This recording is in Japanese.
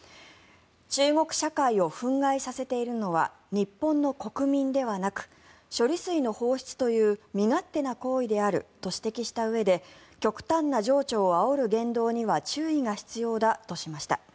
中国社会を憤慨させているのは日本の国民ではなく処理水の放出という身勝手な行為であると指摘したうえで極端な情緒をあおる言動には注意が必要だとしました。